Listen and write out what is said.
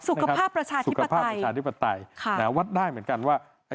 สุขภาพประชาธิปไตยวัดได้เหมือนกันว่า